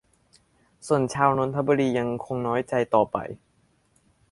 ส่วนชาวนนทบุรียังคงน้อยใจต่อไป